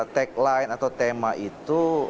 tagline atau tema itu